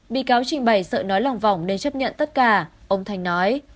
bị cáo trình bày sợ nói lòng vòng nên chấp nhận tất cả ông thanh nói